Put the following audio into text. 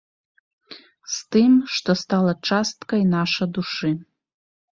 З тым, што стала часткай наша душы.